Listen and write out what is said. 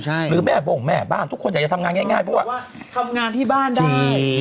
หรือแม่บ่งแม่บ้านทุกคนอยากจะทำงานง่ายเพราะว่าทำงานที่บ้านได้